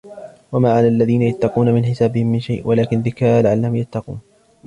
وما على الذين يتقون من حسابهم من شيء ولكن ذكرى لعلهم يتقون